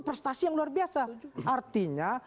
prestasi yang luar biasa artinya